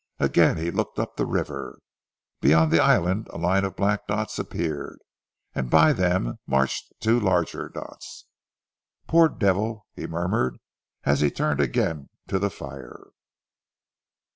Again he looked up the river. Beyond the island a line of black dots appeared, and by them marched two larger dots. "Poor devil!" he murmured as he turned again to the fire.